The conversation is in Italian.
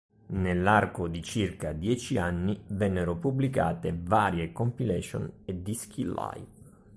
Nell'arco di circa dieci anni, vennero pubblicate varie compilation e dischi live.